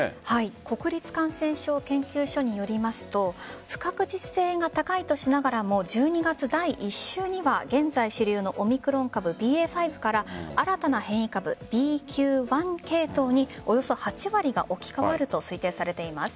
国立感染症研究所によりますと不確実性が高いとしながらも１２月第１週には現在主流のオミクロン株ＢＡ．５から新たな変異株、ＢＱ．１系統におよそ８割が置き換わると推定されています。